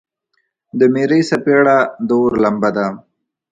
د میرې څپیړه د اور لمبه ده.